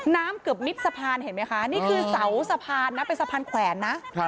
น้ำเกือบมิดสะพานเห็นไหมคะนี่คือเสาสะพานนะเป็นสะพานแขวนนะ